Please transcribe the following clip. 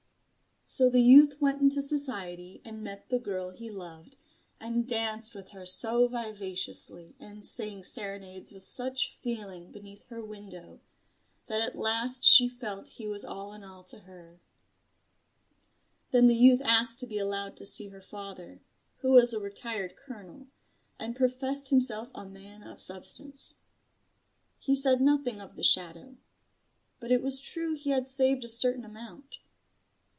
So the youth went into society and met the girl he loved, and danced with her so vivaciously and sang serenades with such feeling beneath her window, that at last she felt he was all in all to her. Then the youth asked to be allowed to see her father, who was a Retired Colonel; and professed himself a man of Substance. He said nothing of the Shadow: but it is true he had saved a certain amount.